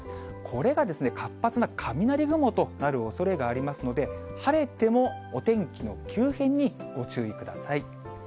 これが活発な雷雲となるおそれがありますので、晴れても、お天気の急変にご注意ください。